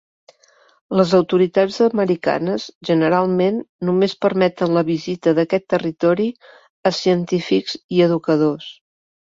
Les autoritats americanes generalment, només permeten la visita d'aquest territori a científics i educadors.